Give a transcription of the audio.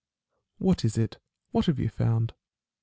What is it ? What have you found